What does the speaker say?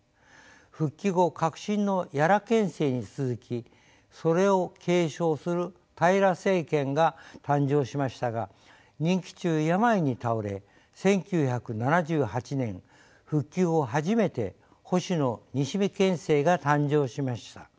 復帰後革新の屋良県政に続きそれを継承する平良県政が誕生しましたが任期中病に倒れ１９７８年復帰後初めて保守の西銘県政が誕生しました。